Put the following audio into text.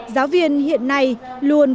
giáo viên hiện nay luôn